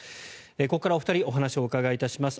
ここからお二人にお話を伺います。